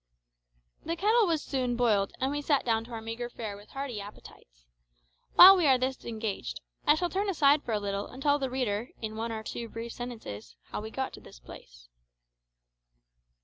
The kettle was soon boiled, and we sat down to our meagre fare with hearty appetites. While we are thus engaged, I shall turn aside for a little and tell the reader, in one or two brief sentences, how we got to this place.